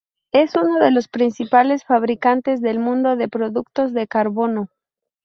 Es uno de los principales fabricantes del mundo de productos de carbono.